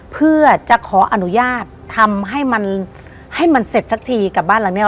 เพื่อจะขออนุญาตทำให้มันให้มันเสร็จสักทีกับบ้านหลังเนี้ย